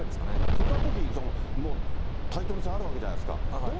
そんなとき、もうタイトル戦あるわけじゃないですか。